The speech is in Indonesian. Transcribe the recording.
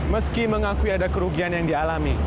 meski mengakui ada kerugian yang dialami